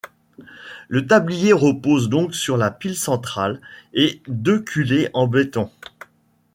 Le tablier repose donc sur la pile centrale et deux culées en béton.